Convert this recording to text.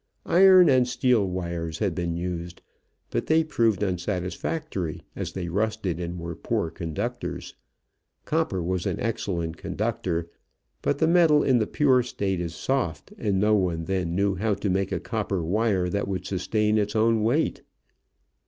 Iron and steel wires had been used, but they proved unsatisfactory, as they rusted and were poor conductors. Copper was an excellent conductor, but the metal in the pure state is soft and no one then knew how to make a copper wire that would sustain its own weight.